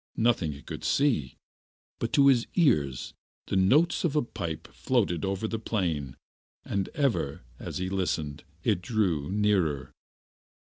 Nothing he could see, but to his ears the notes of a pipe floated over the plain, and ever, as he listened, it drew nearer.